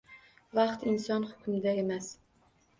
Vaqt inson hukmida emas